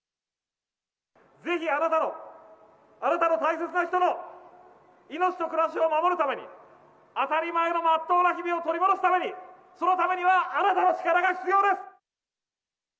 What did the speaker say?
ぜひあなたの、あなたの大切な人の、命と暮らしを守るために、当たり前の真っ当な日々を取り戻すために、そのためにはあなたの力が必要です。